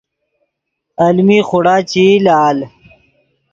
المی خوڑا چے ای لال